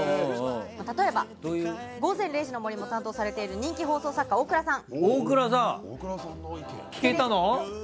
例えば、「午前０時の森」も担当されている人気放送作家のオークラさん。